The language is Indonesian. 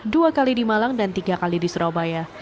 dua kali di malang dan tiga kali di surabaya